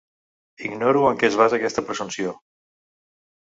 Ignoro en què es basa aquesta presumpció.